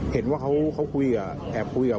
แบบนั้นแหละไม่ได้แอบคุยหรอก